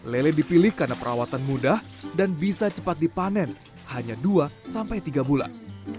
lele dipilih karena perawatan mudah dan bisa cepat dipanen hanya dua sampai tiga bulan